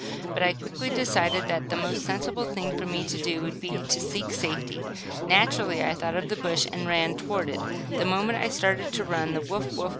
But I quickly decided that the most sensible thing for me to do would be to seek safety. Naturally I thought of the bush, and ran toward it. The moment I started to run the "woof, woof!"